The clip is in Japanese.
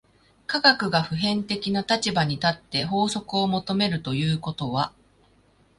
科学が普遍的な立場に立って法則を求めるということは、